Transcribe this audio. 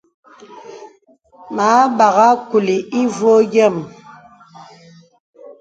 Mə a bagha kùlì ìvɔ̄ɔ̄ yəm.